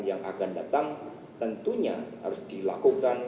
yang akan datang tentunya harus dilakukan